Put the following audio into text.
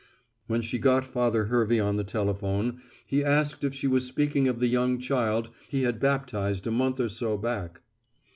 When she got Father Hervey on the telephone he asked if she was speaking of the young child he had baptized a month or so back.